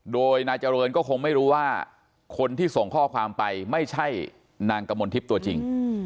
โดยนายเจริญก็คงไม่รู้ว่าคนที่ส่งข้อความไปไม่ใช่นางกมลทิพย์ตัวจริง